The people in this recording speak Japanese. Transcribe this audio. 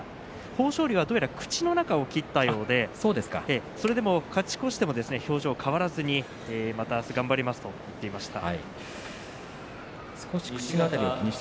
豊昇龍は口の中を切ったようでそれでも勝ち越しても表情は変わらずにまた、あす頑張りますと話していました。